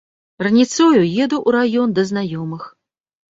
Раніцою еду ў раён да знаёмых.